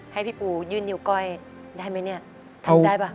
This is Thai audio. ให้พี่ปูยื่นนิ้วก้อยได้ไหมเนี่ยทำได้ป่ะ